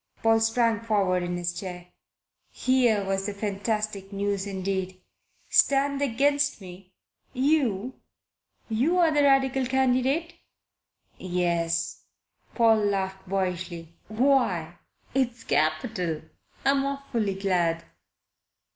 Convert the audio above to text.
Paul sprang forward in his chair. Here was fantastic news indeed! "Stand against me? You? You're the Radical candidate?" "Yes." Paul laughed boyishly. "Why, it's capital! I'm awfully glad."